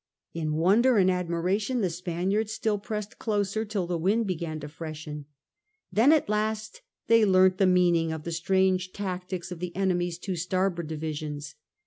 In wonder and admira tion the Spaniards still pressed closer till the wind began to freshen. Then at last they learnt the meaning of the strange tactics of the enemy's two starboard divisions.